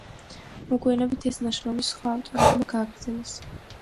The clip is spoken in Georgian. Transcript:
მოგვიანებით ეს ნაშრომი სხვა ავტორებმა გააგრძელეს.